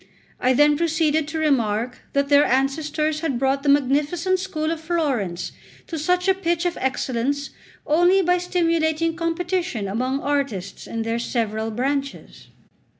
I then proceeded to remark that their ancestors had brought the magnificent school of Florence to such a pitch of excellence only by stimulating competition among artists in their several branches.